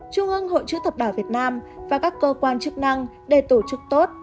trung ương hội chữ thập đỏ việt nam và các cơ quan chức năng để tổ chức tốt